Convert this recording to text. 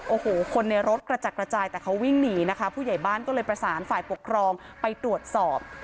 โอ้โหคนในรถกระจัดกระจายแต่เขาวิ่งหนีนะคะผู้ใหญ่บ้านก็เลยประสานฝ่ายปกครองไปตรวจสอบ